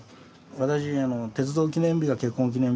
私鉄道記念日が結婚記念日ですので。